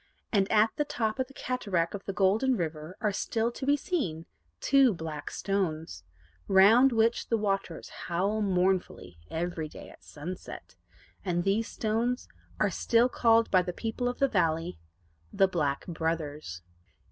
And at the top of the cataract of the Golden River are still to be seen two BLACK STONES, round which the waters howl mournfully every day at sunset, and these stones are still called by the people of the valley The Black Brothers.